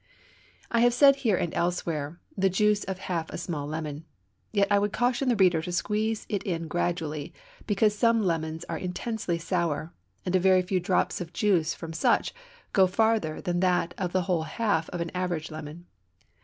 I have said here and elsewhere, "the juice of half a small lemon." Yet I would caution the reader to squeeze it in gradually, because some lemons are intensely sour, and a very few drops of juice from such go farther than that of the whole half of an average lemon.